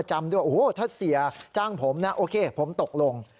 จ้างผมนะโอเคผมตกลง